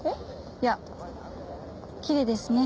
いやきれいですね。